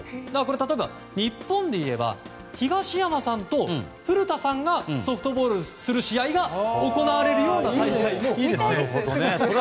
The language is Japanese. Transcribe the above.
例えば日本でいえば東山さんと古田さんがソフトボールする試合が行われるような対戦もあると。